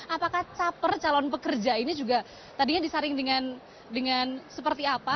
apakah caper calon pekerja ini juga tadinya disaring dengan seperti apa